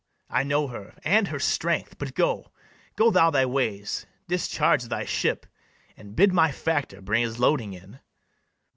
I know her and her strength. But go, go thou thy ways, discharge thy ship, And bid my factor bring his loading in.